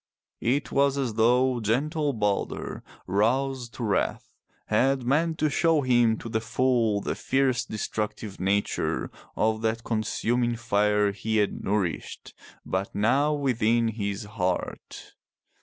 It was as though gentle Balder, roused to wrath, had meant to show him to the full the fierce destructive nature of that consuming fire he had nourished but now within his own heart.